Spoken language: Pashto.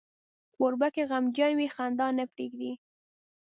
کوربه که غمجن وي، خندا نه پرېږدي.